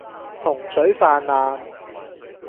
洪水泛濫